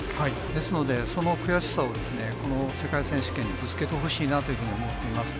ですので、その悔しさをこの世界選手権にぶつけてほしいなというふうに思っています。